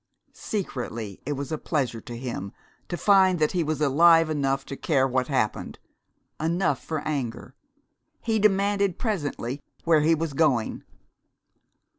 Secretly it was a pleasure to him to find that he was alive enough to care what happened, enough for anger. He demanded presently where he was going.